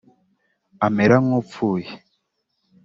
amera nk’upfuye